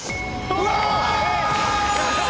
うわ！